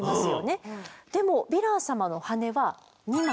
でもヴィラン様の羽は２枚。